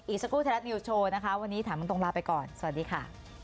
สักครู่ไทยรัฐนิวส์โชว์นะคะวันนี้ถามตรงลาไปก่อนสวัสดีค่ะ